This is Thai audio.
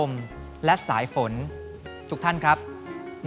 กลัววันฟ้าข้ำรามลั่น